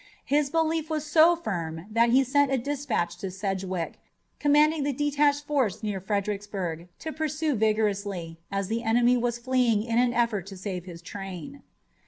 His belief was so firm that he sent a dispatch to Sedgwick, commanding the detached force near Fredericksburg, to pursue vigorously, as the enemy was fleeing in an effort to save his train.